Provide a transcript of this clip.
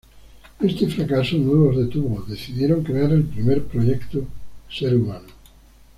Este fracaso no los detuvo, decidieron crear el primer proyecto de ser humano.